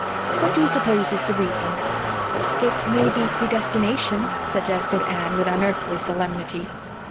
What do you suppose is the reason?" "It may be predestination," suggested Anne, with unearthly solemnity.